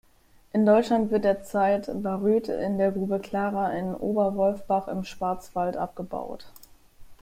In Deutschland wird derzeit Baryt in der Grube Clara in Oberwolfach im Schwarzwald abgebaut.